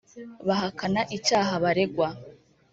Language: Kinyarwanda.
bahakana icyaha baregwa